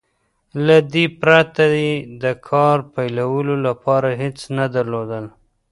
له دې پرته يې د کار پيلولو لپاره هېڅ نه درلودل.